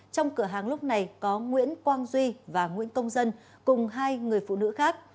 trong cửa hàng lúc này có nguyễn quang duy và nguyễn công dân cùng hai người phụ nữ khác